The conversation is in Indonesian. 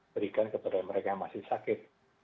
berikan kepada mereka yang masih sakit